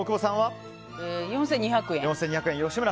４２００円。